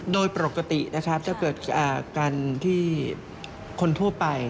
โดยปกตินะครับจะเกิดการที่คนทั่วไป